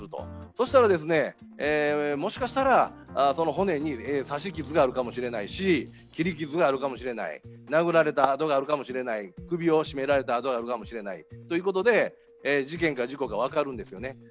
そうしたら、もしかしたらその骨に刺し傷があるかもしれないし切り傷があるかもしれない殴られた跡があるかもしれない首を絞められたあとがあるかもしれない、事件か事故か分かるんですよね。